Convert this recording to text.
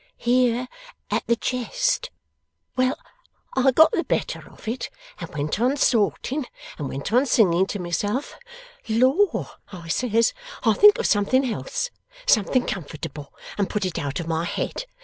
'Here, at the chest. Well; I got the better of it, and went on sorting, and went on singing to myself. "Lor!" I says, "I'll think of something else something comfortable and put it out of my head."